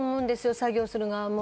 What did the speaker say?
作業する側も。